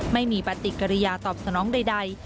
ไม่มีปฏิกิริยาตอบสนองใด